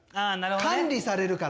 管理されるから。